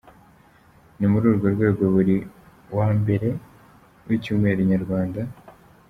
Ni muri urwo rwego buri wa mbere w’icyumweru, inyarwanda.